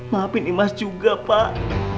maafin imas juga pak